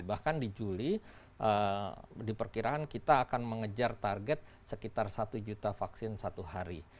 bahkan di juli diperkirakan kita akan mengejar target sekitar satu juta vaksin satu hari